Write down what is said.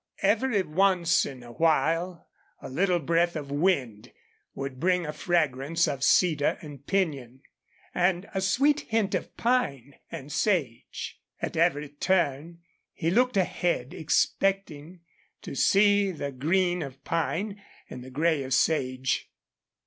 Every once in a while a little breath of wind would bring a fragrance of cedar and pinyon, and a sweet hint of pine and sage. At every turn he looked ahead, expecting to see the green of pine and the gray of sage.